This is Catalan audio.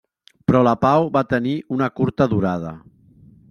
Però la pau va tenir una curta durada.